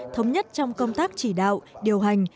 thống nhất trong công tác chỉ đạo điều hành